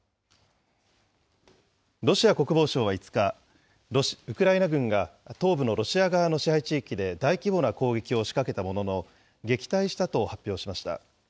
ロシア国防省は５日、ウクライナ軍が東部のロシア側の支配地域で大規模な攻撃を仕掛けたものの、撃退したと発表しました。